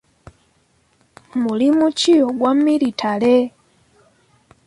Mulimu ki ogwa miritale?